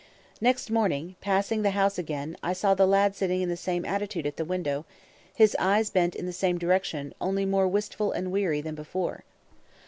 Next morning, passing the house again, I saw the lad sitting in the same attitude at the window, his eyes bent in the same direction, only more wistful and weary than before.